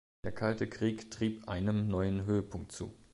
Der ‚Kalte Krieg‘ trieb einem neuen Höhepunkt zu.